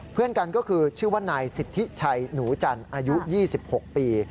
เพื่อนกันก็คือชื่อว่านายสิทธิชัยหนูจันทร์อายุ๒๖ปี